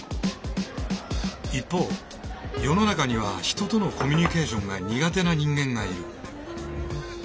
一方世の中には人とのコミュニケーションが苦手な人間がいる。